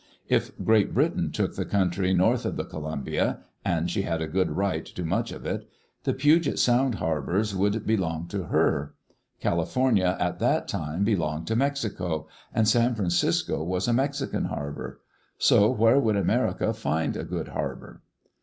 If Great Britain took the country north of the Columbia — and she had a good right to much of it — the Puget Sound harbors would be [ 155 ] r 1 Digitized by VjOOQ LC EARLY DAYS IN OLD OREGON long to her. California at that time belonged to Mexico, and San Francisco was a Mexican harbor. So where would America find a good harbor?